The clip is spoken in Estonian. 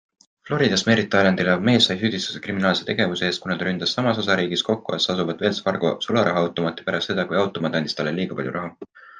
Floridas Merritt Islandil elav mees sai süüdistuse kriminaalse tegevuse eest, kuna ta ründas samas osariigis Cocoas asuvat Wells Fargo sularahaautomaati pärast seda, kui automaat andis liiga palju raha.